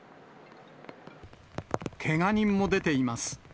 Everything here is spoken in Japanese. けが人も出ています。